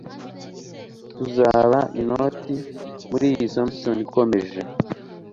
Tuzaba inoti muri iyo Symphony ikomeye